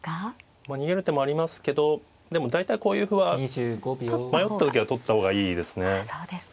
まあ逃げる手もありますけどでも大体こういう歩は迷った時は取った方がいいですね。